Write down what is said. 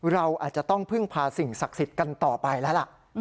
เราอาจจะต้องพึ่งพาสิ่งศักดิ์สิทธิ์กันต่อไปแล้วล่ะ